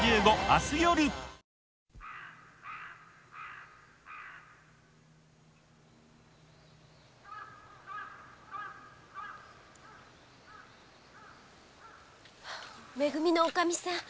アめ組のおかみさん！